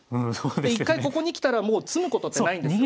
一回ここに来たらもう詰むことってないんですよ。